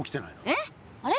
えっ？あれ？